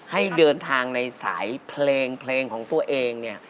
ให้เดินทางในสายเพลงเพลงของตัวเองเนี่ย